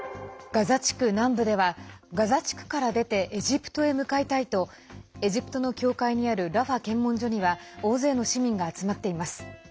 ガザ地区南部ではガザ地区から出てエジプトへ向かいたいとエジプトの境界にあるラファ検問所には大勢の市民が集まっています。